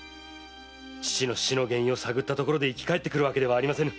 父の死の原因を探ったところで生き返ってくるわけではない。